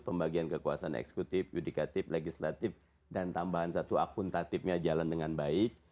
pembagian kekuasaan eksekutif yudikatif legislatif dan tambahan satu akuntatifnya jalan dengan baik